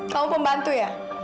kamu pembantu ya